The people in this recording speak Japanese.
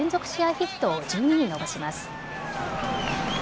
ヒットを１２に伸ばします。